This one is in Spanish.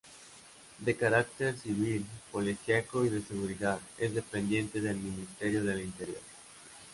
De carácter civil, policíaco y de seguridad, es dependiente del Ministerio del Interior.